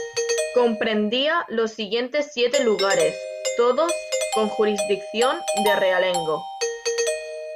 Comprendía los siguientes siete lugares, todos con jurisdicción de realengo.